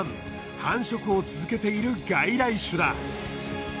繁殖を続けている外来種だ。